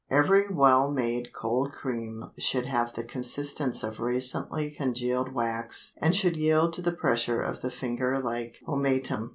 Every well made cold cream should have the consistence of recently congealed wax and should yield to the pressure of the finger like pomatum.